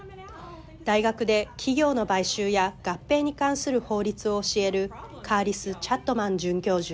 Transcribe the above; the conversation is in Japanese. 大学で企業の買収や合併に関する法律を教えるカーリス・チャットマン准教授。